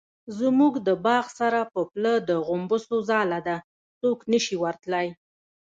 زموږ د باغ سره په پوله د غومبسو ځاله ده څوک نشي ورتلی.